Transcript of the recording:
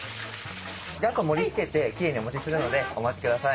あと盛りつけてきれいにお持ちするのでお待ちください。